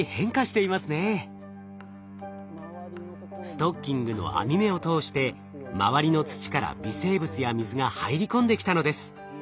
ストッキングの網目を通して周りの土から微生物や水が入り込んできたのです。